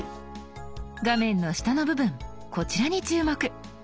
画面の下の部分こちらに注目。